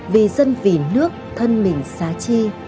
vì dân vì nước thân mình xá chi